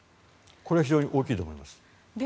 非常に大きいと思います。